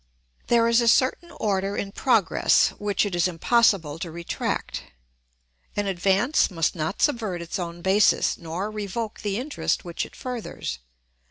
] There is a certain order in progress which it is impossible to retract. An advance must not subvert its own basis nor revoke the interest which it furthers.